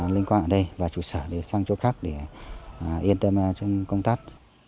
liên quan ở đây và chủ sở sang chỗ khác để yên tâm trong công tác